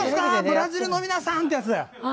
ブラジルの皆さん”ってやつだよ」